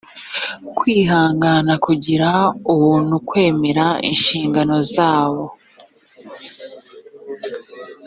kwihangana kugira ubuntu kwemera inshingano zabo